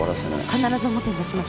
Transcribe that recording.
必ず表に出しましょう。